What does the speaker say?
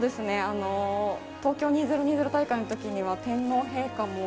あの東京２０２０大会の時には天皇陛下も。